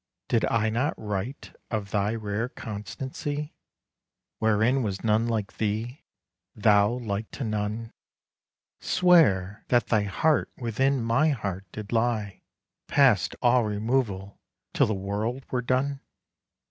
Did I not write of thy rare constancy, Wherein was none like thee, thou like to none; Swear that thy heart within my heart did lie Past all removal till the world were done?